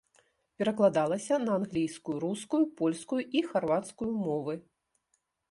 Перакладалася на англійскую, рускую, польскую і харвацкую мовы.